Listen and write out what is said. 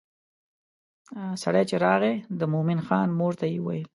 سړی چې راغی د مومن خان مور ته یې وویل.